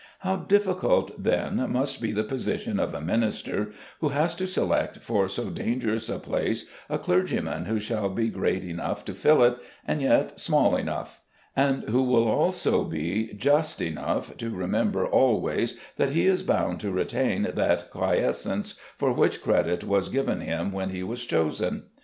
How difficult then must be the position of a Minister who has to select for so dangerous a place a clergyman who shall be great enough to fill it, and yet small enough; and one who shall also be just enough to remember always that he is bound to retain that quiescence for which credit was given him when he was chosen?